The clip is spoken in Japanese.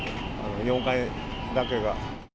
４階だけが。